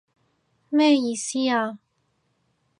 咩意思啊？